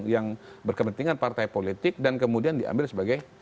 yang berkepentingan partai politik dan kemudian diambil sebagai